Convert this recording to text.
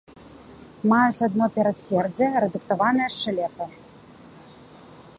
Маюць адно перадсэрдзе, рэдукаваныя шчэлепы.